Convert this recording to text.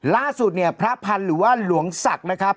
ล่าสุดเนี่ยพระพันธ์หรือว่าหลวงศักดิ์นะครับ